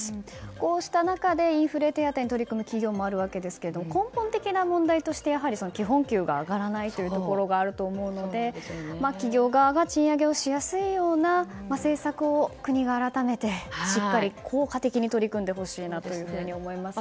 こうした中で、インフレ手当に取り組む企業もありますが根本的な問題として基本給が上がらないところがあると思うので企業側が賃上げしやすいような政策を国が改めてしっかり効果的に取り組んでほしいなと思います。